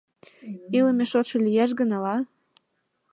Илыме шотшо лиеш гын, ала...